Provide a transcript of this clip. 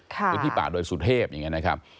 พื้นที่ป่าดอยสุเทพอย่างนี้นะครับ